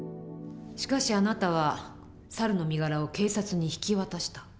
しかしあなたは猿の身柄を警察に引き渡した。